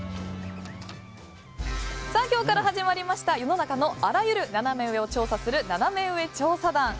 今日から始まりました世の中のあらゆるナナメ上を調査するナナメ上調査団。